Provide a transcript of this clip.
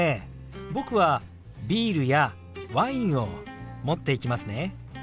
僕はビールやワインを持っていきますね。